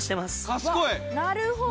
「なるほど！」